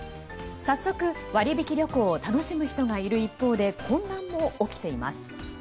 早速、割引旅行を楽しむ人がいる一方で混乱も起きています。